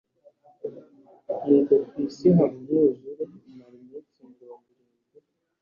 Nuko ku isi haba umwuzure umara iminsi mirongo irindwi